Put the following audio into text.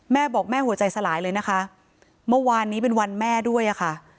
แม่บอกแม่หัวใจสลายเลยนะคะเมื่อวานนี้เป็นวันแม่ด้วยอะค่ะ